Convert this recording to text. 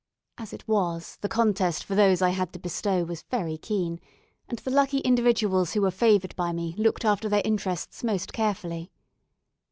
As it was, the contest for those I had to bestow was very keen, and the lucky individuals who were favoured by me looked after their interests most carefully.